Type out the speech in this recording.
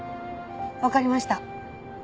わかりました。